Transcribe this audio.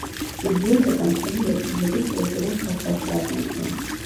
ბიბლიოთეკა მთელი რესპუბლიკის კულტურულ საცავს წარმოადგენს.